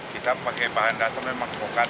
kita pakai bahan dasar memang bukan